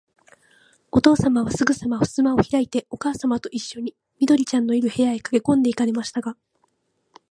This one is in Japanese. おとうさまは、すぐさまふすまをひらいて、おかあさまといっしょに、緑ちゃんのいる、部屋へかけこんで行かれましたが、